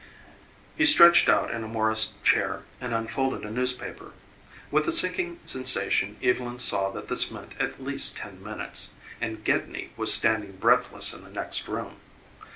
He stretched out in a Morris chair and unfolded a newspaper. With a sinking sensation Evylyn saw that this meant at least ten minutes and Gedney was standing breathless in the next room.